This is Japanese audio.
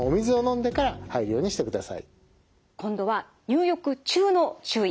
今度は入浴中の注意